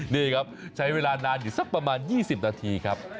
นี่ครับใช้เวลานานอยู่สักประมาณ๒๐นาทีครับ